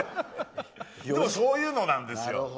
でも、そういうのなんですよ。